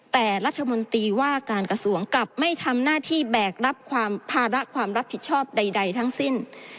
แต่รัฐมนตรีว่าการกระทรวงกลับไม่ทำหน้าที่แบกรับความภาระความรับผิดชอบใดทั้งสิ้น